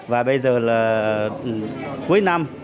và bây giờ là cuối năm